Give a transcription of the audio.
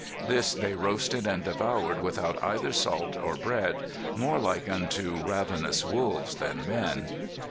This they roasted and devoured without either salt or bread more like unto ravenous wolves than men."